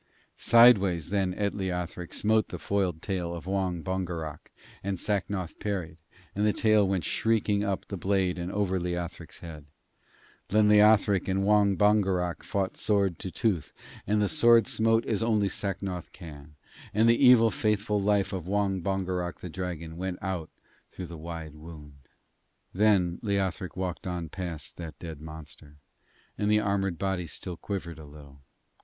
Sideways then at Leothric smote the foiled tail of Wong Bongerok, and Sacnoth parried, and the tail went shrieking up the blade and over Leothric's head. Then Leothric and Wong Bongerok fought sword to tooth, and the sword smote as only Sacnoth can, and the evil faithful life of Wong Bongerok the dragon went out through the wide wound. Then Leothric walked on past that dead monster, and the armoured body still quivered a little.